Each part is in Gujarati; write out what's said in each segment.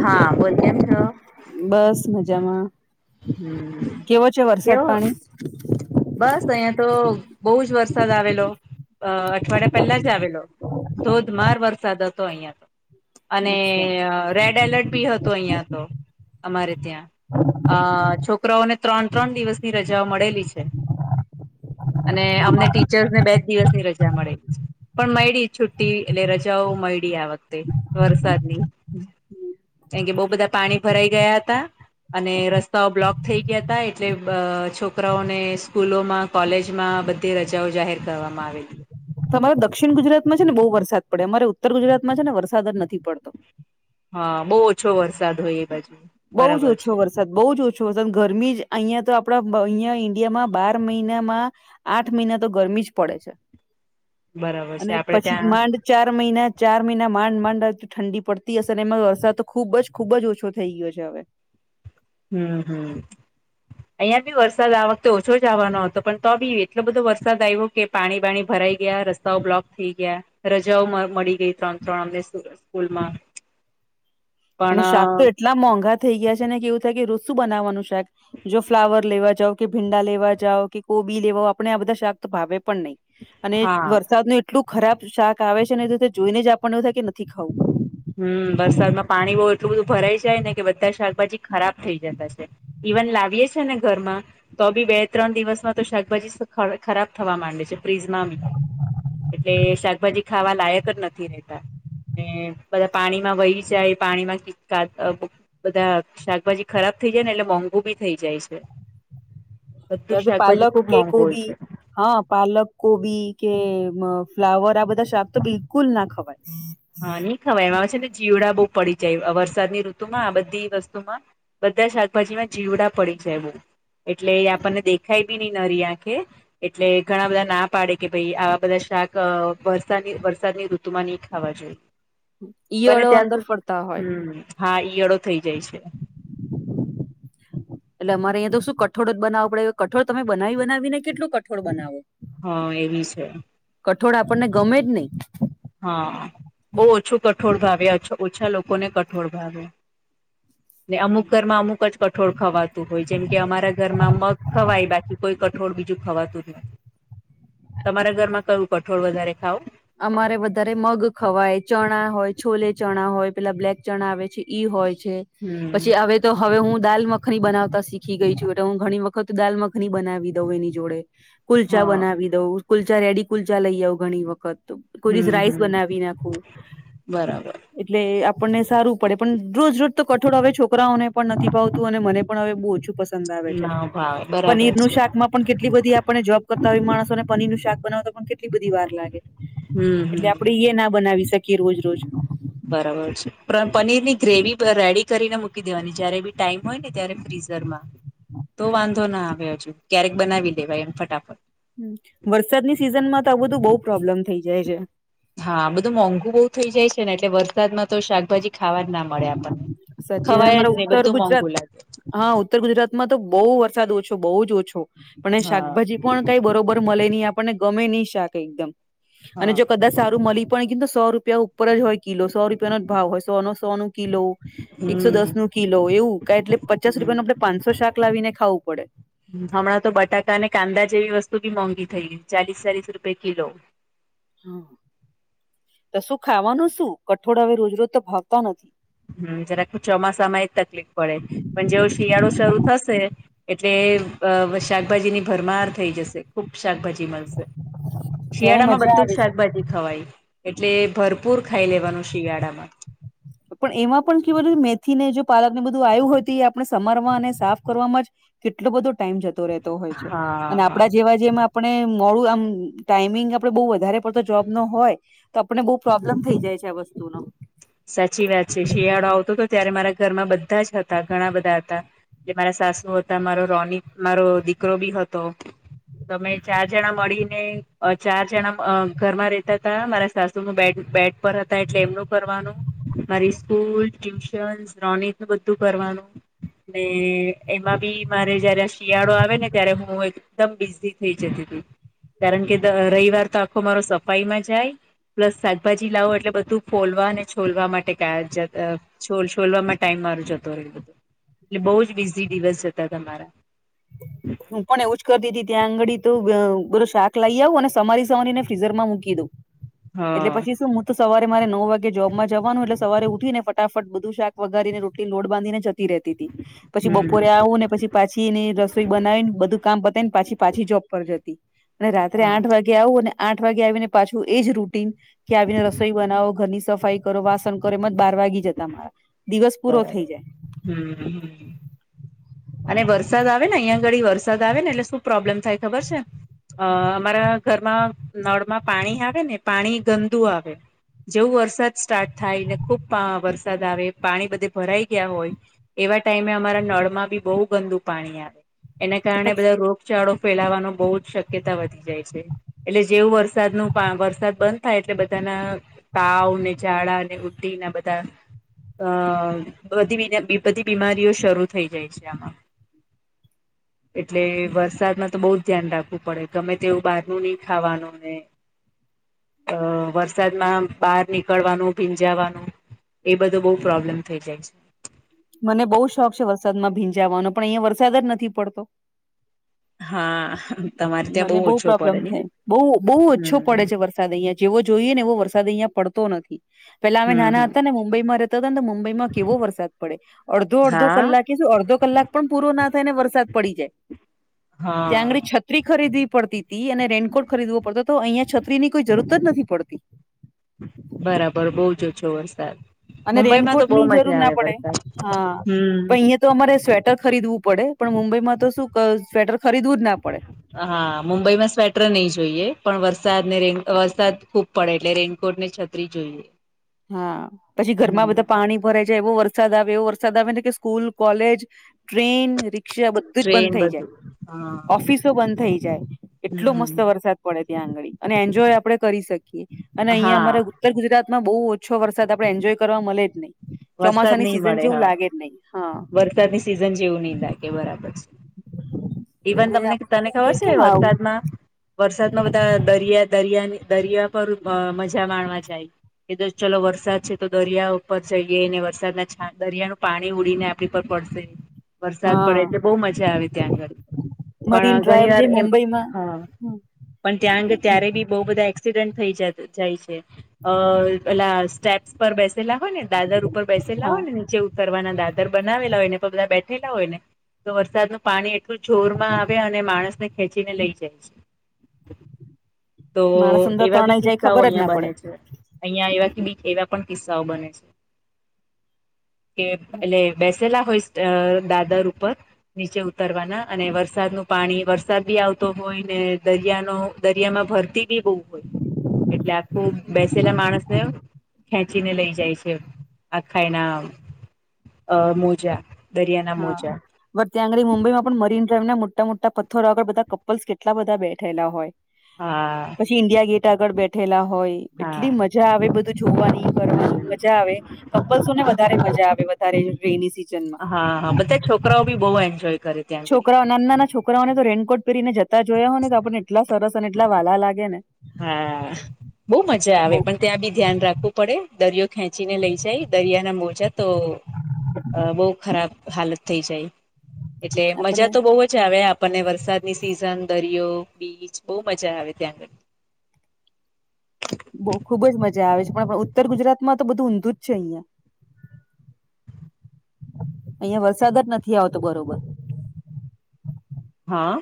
હા બોલકેમ છ બસ મજામાં હમ કેવો છે વરસાદ કેવો પાણી. બસ અહિયાં તો બહુ જ વરસાદ આવેલો અઠવાડિયા પેલા જ આવેલો. ધોધમાર વરસાદ હતો અહિયાં તો. અને અચ્છા રેડ એલર્ટ બી હતું અહિયાં તો અમારે ત્યાં અ છોકરાઓને ત્રણ ત્રણ દિવસની રજા મળેલી છે. અને અમને ટીચર્સ ને બે જ દિવસ રજા મળેલી પણ મળડી છુટી એટલે રજાઓ મળડી આ વખ વરસાદની કારમ કે બહ બધા પાણી ભરાઈ ગયા હતા. અને રસ્તાઓ બ્લોક થઈ ગયા હતા એટલે છોકરાઓને સ્કૂલોમાં કોલેજમાં બધી રજાઓ જાહેર કરવામાં આવેલી. તમારો દક્ષિણ ગુજરાતમાં છે ને બહુ વરસાદ પડે અમારે ઉત્તર ગુજરાતમાં છે ને વરસાદ જ નથી પડતો. હા બહુ ઓછો વરસાદ હોય એ બાજુ બરાબર છે. સાદ બહુ જ ઓછું ગરમી જ અહિયાં તો આપડા અહિયાં ઈન્ડિયામાં બાર મહિનામાં આઠ મહિના તો ગરમી જ પડે છે. બરાબર અને છે આપડે પછી ત્યાં માંડ ચાર મહિના ચાર મહિના માંડ માંડ ઠંડી પડતી હશે અને એમાં વરસાદ તો ખુબ જ ખુબ જ ઓછો થઈ ગયો છે હવે. હમ હમ. અહીંયા બી વરસાદ આ વખતે ઓછો જ આવવાનો હતો પણ તો બી એટલો બધો વરસાદ આવ્યો કે પાણી બાણી ભરાઈ ગયા રસ્તા રસ્તા બ્લોક થઈ ગયા રજાઓ મળી ગઈ ત્રણ ત્રણ અમને સ્કૂલમાં પણ અને શાક તો એટલા મોંઘા થઇ ગયા છે કેવું થાય કે રોજું બનાવવાનું શાક જો ફ્લાવર લેવા જાવ કે ભીંડા લેવા જાવ કે કોબી લેવાઓ આપણે આ બધા શાક તો ભાવે પણ નહી અને હા વરસાદ ન એટલું ખરાબ શાક આવે છે ને તો જોઈને જ આપણને એવું થાય કે નથી ખાવું. હમ વરસાદમાં પાણી બહ એટલું બધું ભરાઈ જાય ને કે બધા શાકભાજી ખરાબ થઈ જતા છે. ઇવન લાવીએે છે ને ઘરમાં તો બી બે ત્રણ દિવસમાં તો શાકભાજી ખરાબ થવા માંડે છે. બિજમાંી એટલે શાકભાજી ખાવા લાયક જ નથી રતા. બધા પાણીમાં વહી જાય પાણીમાં બધા શાકભાજી ખરાબ થઇ જાય ને એટલે મોંઘુ બી થઇ જાય છે ત બધું તો શાકભાજી પલક ખુબ કે મોંઘુ હોય કોબિ છે હા પાલક કોબી કે ફ્લાવર આ બધા શ્રાપ તો બિલકુલ ના ખવાય હમ હા નહી ખબર એમાં આવે છે ને જીવડા બહુ પડી જાય વરસાદની ઋતુમાં આ બધી વસ્તુમાં બધા શાકભાજીમાં જીવડા પડી જાય એવું એટલે આપણને દેખાય બી નઈ નરી આંખે એટલે ઘણા બધા ના પાડે કે ભાઈ આવા બધા શાક વરસાદની વરસાદની ઋતુમાંની ખવા જોઈએ બને ઈયળો ત્યાં અંદર ફરતા હોય સુધી હમ હા ઈયળો થઈ જાય છે એટલે અરેહીં તો શું કઠોળ જ બનાવ પડે કે કઠોળ તમે બનાવી બનાવી ને કેટલું કઠોળ બનાવો હા એવી છે કઠોળ આપણને ગમે જ નહી હા બહુ ઓછું કઠોળ ભાવે ઓછા લોકોને કઠોર ભાવે ને અમુક ઘરમાં અમુક જ કઠોળ ખવાતું હોય જેમ કે અમારા ઘરમાં મગ ખવાય બાકી કોઈ કઠોળ બીજું ખવાતું ન હ [inaudible] તમારા ઘરમાં કયું કઠોળ વધારે ખાવ અમારે વધારે મગ ખવાય ચણા હોય છોલે ચણા હોય પેલા બ્લેક ચણા આવે છે ઈ હોય છે હમ પછી આવે તો હવે હું દાલ મખની બનાવતા શીખી ગઈ છું એટલે હું ઘણી વખત દાલ મખની બનાવી દઉં એની જોડે કુલચા હા બનાવી દઉં કુલચા રેડી કુલચા લઈ આવઉ ઘણી વખત કોઈ દિવસ હમ રાઈસ હમ બનાવી નાખું બરાબર એટલે આપણને સારું પડે પણ રોજ રોજ તો કઠોળ હવે છોકરાઓને પણ નથી ભાવતું અને મને પણ હવે બહુ ઓછું પ પસંદ આવે છે ના ભાવે બરાબર પનીર નું છે શાકમાં પણ કેટલી બધી આપણે જોબ કરતા હોય માણસો અને પનીરું શાક બનાવતા પણ કેટલી બધી વાર લાગે હમ એટલે હમ આપડે એ ના બનાવી શકીએ રોજ રોજ બરાબર છે પણ પનીર ની ગ્રેવી રેડી કરીને મૂકી દેવાની જયારે બી ટાઈમ હોય ને અ્યારે ફ્રીઝરમાં તો વાંધો ના આવે હજુ ક્યારેક બનાવી લેવાય એમ ફટાફટ વરસાદની સિઝન માં તો આ બધું બઉ પ્રોબ્લેમ થઇ જાય છે હા બધું મોંઘુ બહુ થઈ જાય છે ને એટલે વરસાદમાં તો શાકભાજી ખાવા જ ના મળે આપણને સાચી અને ખવાય અમારા જ નહી ઉત્તર બધું ગુજરાત મોંઘું લાગે હા ઉત્તર ગુજરાતમાં તો બહુ વરસાદ ઓછો બહુ જ ઓછો પણ હા શાકભાજી પણ કઈ બરોબર મળે નહી આપને ગમે નહી શાક એકમ અને હા જો કદાચ સારું મળ પણ ક સો રૂપિયા ઉપર જ હોય કિલો સો રૂપિયાનોો જ ભાવ હોય સો નો સો નો કિલો એકસો હમ દસ નું કિલો એવું ક એટલે પચાસ હમ રૂપિયાનું આપડણે પાંચસો શાક લાવીને ખાવું પડે હમણાં તો બટાકા અને કાંદા જેવી વસ્તુ બી મોંઘી થઈ ચાલીસ ચાલીસ રૂપે કિલો હા તો શું ખાવાનું શું કઠોળ હવે રોજ રોજ તો ભાવતા નથી હમ જરા ચોમાસામાં એ તકલીફ પડે પણ જેવો શિયાળો શરૂ થશે એટલે શાકભાજીની ભરમાર થઈ જશે ખુબ શાકભાજી મળશે ત્યારે શિયાળા માં મજા બધું આવે જ છે. શાકભાજી ખવાય એટલે ભરપૂર ખાઈ લેવાનું શિયાળામાં પણ એમાં પણ કેવાધ મેથી ને જો પાલક ને બધું આવ્યું હોય તો એ આપણે સમારવા અને સાફ કરવાવામાં જ કેટલો બધો ટાઈમ જતો રહેતો હોય છે હા અને હા આપડા જેવા જેમ આપણે મોડું આમ ટાઈમિંગ આપડે બઉુ વધારે પડતો જોબ નો હોય તો આપને બહુ પ્રોબ્લેમ થઈ જાય છે આ વસ્તુ નો સાચી વાત છે શિયાળો આવતો હતો ત્યારે મારા ઘરમાં બધા જ હતા ઘણા બધા હતા જે મારા સાસુ હતા મારો રોનીક મારો દીકરો બી હતો તમે ચાર જણા મળીને ચાર જણા ઘરમાં રેતા ત મારા સાસુ નું બે ઉપર હતા એટલે એમનું કરવાનું મારી સ્કૂલ ટ્યુશન શ્રોનીત નું બધું કરવાનું ને એમાં બી મારે જયારે આ શિયાળો આવે ને ત્યારે હું એક એકદમ બિઝી થઈ જતી હતી કારણ કે રવિવાર તો આખો મારો સફાઈમાં જાય પ્લસ શાકભાજી લાવો એટલે બધું ફોલવા અને છોલવા માટે ટાઇમ જતો છોલ છોલવામાં ટાઈમ મારો જતો રે બધું એટલે બહુ જ બીઝી દિવસ જતા તમારા હ [inaudible] હું પણ એવું જ કરતી હતી ત્યાં આંગળી તો બધું શાક લઇ આવ અને સવારી સવારી ને ફ્રીઝર માં મૂકી દઉં એટલે હા પછી શું તો સવારે મારે નવ વાગે જોબમાં જવાનું એટલે સવારે ઉઠી ને ફટાફટ બધું શાક વગારીને રોટલી લોડ બાંધીને જતી રહેતી હતી પછી હમ બપોરે આવું ને પછી પાછી એની ર રસોઈ બનાવીને બધું કામ પતાયનેપાછી પાછી જોબ પર જતી અને રાત્રે હા આઠ વાગે ગે આવુ અને આઠ વાગે આવીને પાછું એજ રૂટીિન કે આવીને રસોઈ બનાવો ઘરની સફાઈ કરો વાસણ કરો એ જ બાર વાગી જતા મારા દિવસ પૂરો થઈ જાય હમ હમ. અને વરસાદ આવે ને અહીંયા ગળી વરસાદ આવે ને એટલે શું પ્રોબ્લેમ થાય ખબર છે. અ અમારા ઘરમાં નળમાં પાણી આવે ને પાણી ગંદુ આવે. જેવું વરસાદ સ્ટાર્ટ થાય ને ખુબ પ વરસાદ વરસાદ આવે પાણી બધે ભરાઈ ગયા હોય એવા ટાઈમે અમારા નળ માં બી બહુ ગંદુ પાણી આવે એના તો કારણે પછી બધા રોગ ચાળો ફેલાવાનો બહુ જ શક્યતા વધી જાય છે. એટલે જેવું વરસાદ નુ પા વરસાદ બંધ થાય એટલે બઘેના તાવ ને ઝાડા ને ઉલ્ટી ના બધા. અ બધી વી બધી બીમારીઓ શરૂ થઈ જાય છે. એટલે વરસાદમાં તો બહુ. ધ્યાન રાખવું પડે ગમે તેવું બહાર ન નહી ખાવાનું ને. અ વરસાદમાં બહાર નીકળવાનું ભીંજાવાનું એ બધો બઉ પ્રોબ્લેમ થઇ જાય છે. મને બહુ શોખ છે વરસાદમાં ભીંજાવવાનો પણ અહીંયા વરસાદ જ નથી પડતો. હા. તમારે ત્યાં મને બહુ ઓછો પ્રોબ્લેમ પડે નહી થાય બઉુ બહુ ઓછો પડે હમ છે વરસાદ વરસાદ અહિયાં જેવો જોઈએ ને એવો વરસાદ અહીંયા પડતો નથી પેલા અમે હમ નાના હમ હતા ને મુંબઈમાં રહેતા હતા ને મુંબઈ માં કેવો વરસાદ પડે. અડધો અડધો હા કલાકે શું અડધો કલાક પણ પૂરો ના થાય ને વરસાદ પડી જાય. ત્યાં હા. આંગળી છત્રી ખરીદવી પડતી. તી અને રેનકોટ ખરીદવો પડતો તો અહિયા છત્રી ની કોઈ જરૂર જ નથી પડતી. બરાબર બહુજ ઓજો વરસાદ. અને મુંબઈમાં તો રેનકોટ બહુ ની જરૂર મજા આવે ના પડે વરસાદ હા હમ પણ અહીયા તો અમારે સ્વેટર ખરીદવું પડે પણ મુંબઈમાં તો શું ક સ્વેટર ખરીદવું જ ના પડે. હા મુંબઈમાં સ્વેટર નહી જોઈએ પણ વરસાદ ને રેન અ વરસાદ ખૂબ. પડે એટલે રેનકોટ ને છત્રી જોઈએ. હા પછી ઘરમાં બધા પાણી ભરાઈ જાય એવો વરસાદ આવે એવો વરસાદ આવેને કે સ્કૂલ કોલેજ ટ્રેન ર છે બધું જ બંધ ટ્રેન થઈ બધું હા જાય ઓફિસ તો બંધ થઈ જાય એટલો હમ. મસ્ત વરસાદ પડે ત્યાં આંગળી અને એન્જોય આપડે કરી શકીએ. અને અહિયા અમારે હા ઉત્તર ગુજરાત માં બહુ ઓછો વરસાદ આપડે એન્જોય કરવા મળે જ નહી. વરસાદ ચોમાસાની સિઝન જેવું લાગે જ નહી હા. ત ની સિઝન જેવું નહી લાગે બરાબર છે. ઇવન એટલે તમને તને ખબર આપણને કેમ છે આવું વરસાદમાં વરસાદમાં બધા દરિયા દરિયાની દરિયા પર અ મજા માણવા જાય. એ તો ચાલો વરસાદ છે તો દરિયા ઉપર જઈએ ને વરસાદના છાંટા દરિયા નું પાણી ઉડીને આપણી પર પડશે. વરસાદ હા પડે એટલે બહુ મજા આવે ત્યાં આગળ મરીન પણ ઘણી ડ્રાઈવ વાર જે એમ મુંબઈમાં હા. પણ ત્યાં અગે ત્યારે બી બહુ બધા એક્સિડન્ટ થઈ જ જાય છે અ. પેલા સ્ટેપ્સ પર બેસેલા હોય ને દાદર ઉપર બેસેલા હા હોય ને નીચે ઉતરવાના દાદર બનાવેલા હોય ને બધા બેઠેલા હોય ને. તો વરસાદ નું પાણી એટલું જોરમાં આવે અને માણસને ખેંચીને લઈ જાય છે. તો માણસ અંદર એવા બી તણાઈ જાય કિસ્સાઓ ખબર જ અહિયાં ના પડે બને છે. અહિયાં એવા કે બી એવા પણ કિસ્સાઓ બને છે કે એટલે બે પેલા હોય સ ટ દાદર ઉપર. નીચે ઉતરવાના અને વરસાદનું પાણી વરસાદ બી આવતો હોય ને દરિયાનો દરિયામાં ભરતી બી બહુ હોય એટલે આખું બેસેલા માણસને ખેંચીને લઈ જાય છે આખા એના મોજા. દરિયાના મોજા. બટ ત્યાં આંગળી મુંબઇમાં પણ મરીન ડ્રાઈવ ના મોટા મોટા પથ્થર આગળ બધા કપલ્સ કેટલા બધા બેઠેલા હોયમળે. હા. થી ઈન્ડિયા ગેટ આગળ બેઠેલા હોય એટલી હા મજા આવે બધું જોવાની કરવાની હમ મજા આવે. કપલ્સો ને વધારે મજા આવે વધારે રેની સીઝન હા હા બધા છોકરાઓ બી બહુ એન્જોય કરે ત્યાં આંગડી. તો નાના નાના છોકરાઓને તો રેનકોટ પહેરીને જતા જોયા હોય ને તો આપણને એટલા સરસ અને એટલા વાલા લાગે ને. હા બહુ મજા આવે બઉ પણ ત્યાં બી ધ્યાન રાખવું પડે. દરિયો ખેંચીને લઈ જાય દરિયાના મોજા તો અ બહુ ખરાબ હાલત થઈ જાય એટલે મજા આપણને તો બહુ જ આવે આપ પનને વરસાદની સિઝન, દરિયો, બીચ બહુ મજા આવે ત્યાં આગળ. બહુ ખુબ જ મજા આવે છે પણ ઉત્તર ગુજરાતમાં તો બધું ઊંધું જ છે અહિયાં. અહિયાં વરસાદ જ નથી આવતો બરોબર. હા.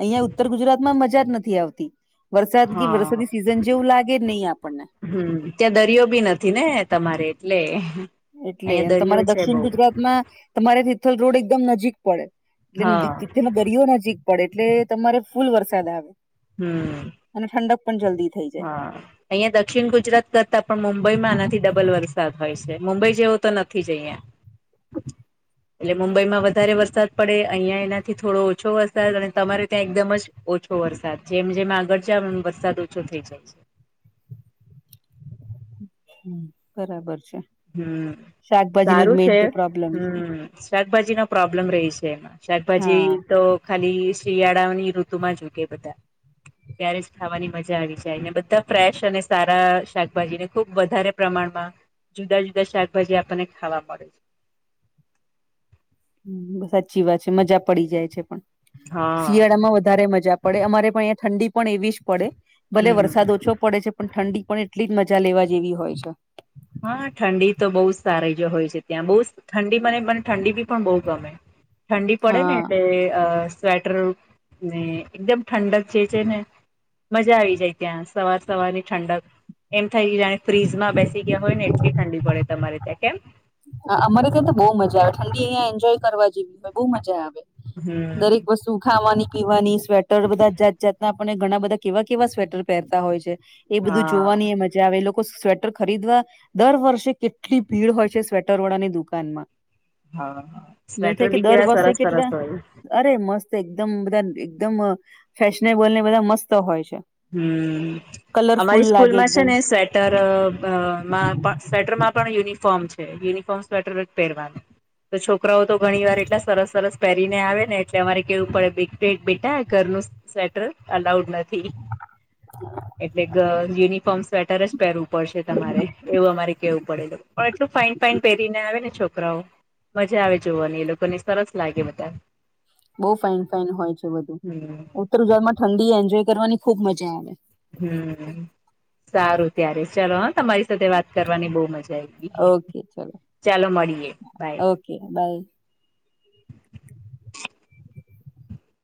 અહિયાં ઉત્તર ગુજરાત માં મજા જ નથી આવતી. વરસાદગી હા વરસાદી સિઝન જેવું લાગે નહી આપણને. હમ ત્યાં દરિયો બી નથી ને તમારે એટલે. એટલે અહિયાં અન દરિયો તમારા છે દક્ષિણ બહુ ગુજરાતમાં તમારે તિથલ રોડ એકદમ નજીક પડે. એટલેન હા દિત તિથલ નો દરિયો નજીક પડે એટલે તમારે ફૂલ વરસાદ આવે. હમ. અને ઠંડક પણ જલ્દી થઈ જાય હા અહિયા દક્ષિણ ગુજરાત કરતા પણ મુંબઈમાં આના થી ડબલ વરસાદ હોય છે મુંબઈ જેવો તો નથી જ અહીંયા. એટલે મુંબઈમાં વધારે વરસાદ પડે અહીયાં એનાથી થોડો ઓછો વરસાદ અને તમારે ત્યાં એકદમ જ ઓછો વરસાદ જેમ જેમ આગળ જાવ એમ વરસાદ ઓછો થઇ જાય છે. હ બરાબર છે હમ શાકભાજી નું જ સારું મેન છે તો પ્રોબ્લેમ છે. હમ શાકભાજી નો પ્રોબ્લેમ રહીશે શાકભાજી હા તો ખાલી શિયાળાઓની ઋતુ માં જ ઉગે બધા. ત્યારે જ ખાવાની મજા આવી જાયને બધા ફ્રેશ અને સારા શાકભાજીને ખુબ વધારે પ્રમાણમાં જુદા જુદા શાકભાજી આપણને ખાવા મળે છે. હમ સાચી વાત છે મજા પડી જાય છે પણ હા શિયાળા માં વધારે મજા પડે અમારે પણ અહીંયા ઠંડી પણ એવી જ પડે ભલે વરસાદ હમ ઓછો પડે છે પણ ઠંડી પણ એટલી જ મજા લેવા જેવી હોય છે. હા ઠંડી તો બહુ જ સારેગ્ય હોય છે ત્યાં બહુજ ઠંડી મને મન ઠંડી બી પણ બહુ ગમે ઠંડી પડે ને હા એટલે અ સ્વેટર ને એકદમ ઠંડક છેચેને મજા આઈ જાય ત્યાં સવાર સવાર ની ઠંડક એમ થાય જાણે ફ્રીજ માં બેસી ત્યાં હોય ને એટલી ઠંડી ડી પડે તમારે ત્યાં કેમ? હા અમારે ત્યાં તો બહુ મજા આવે ઠંડી અહિયાં એન્જોય કરવા જેવી હોય બહુ મજા આવે. હમ દરેક વસ્તુ ખાવાની પીવાની સ્વેટર બધા જાત જાતના ઘણા બધા કેવા કેવા સ્વેટર પહેરતા હોય છે એ બધું હા જોવાની એ મજા આવે એ લોકો સ્વે ટર ખરીદવા દર વર્ષે કેટલી ભીડ હોય છે સ્વેટર વળાની દુકાનમાં. હા હા મને થાય સ્વેટર કે બી દર કેવા વર્ષે સરસ કેટલા સરસ હોય. અરે મસ્ત એકદમ બધા એકદમ ફેશનેબલ ને બધા મસ્ત હોય છે. હમ કલરફુલ અમારી લાગે સ્કૂલમાં છે એકદમ ને સ્વેટરઅબમાં પણ સ્વેટર માં પણ યુનિફોર્મ છે યુનિફોર્મ સ્વેટર જ પહેરવાનું. તો છોકરાઓ તો ઘણી વાર એટલા સરસ સરસ પહેરીને આવે ને એટલે અમારે કેવું પડે બેટેક બેટા ઘરનું સ્વેટર અલાઉડ નથી. હ એટલે ગ યુનિફોર્મ સ્વેટર જ પેરું પડશે તમારે એવું અમારે કેવું પડેલ પણ એટલું ફાાઈન ફાઈન પહેરીને આવે ને છોકરાઓ મજા આવે જોવાની એ લોકોને સરસ લાગે બધા બઉ ફાઇન ફાઇન હોય છે બધું હમ ઉત્તર ગુજરાતમાં ઠંડી એન્જોય કરવાની ખુબ મજા આવે હમ સારું ત્યારે ચાલ હ તમારી સાથે વાત કરવાની બહુ મજા આવી ગ ઓકે ચલો ચાલો મળીએે બાય ઓકે બાય